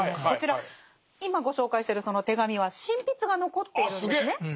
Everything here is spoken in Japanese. こちら今ご紹介してるその手紙は真筆が残っているんですね